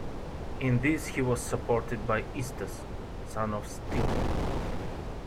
In this he was supported by Eustace, son of Stephen.